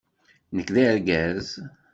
Nekk d argaz.